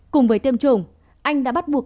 cùng với tiêm chủng anh đã bắt buộc